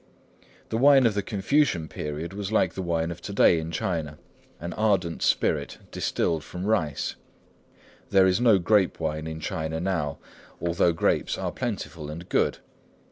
The wine of the Confucian period was like the wine of to day in China, an ardent spirit distilled from rice. There is no grape wine in China now, although grapes are plentiful and good.